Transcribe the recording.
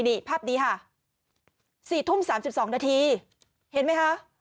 นี่ภาพนี้ค่ะ๔ทุ่ม๓๒นาทีเห็นไหมคะ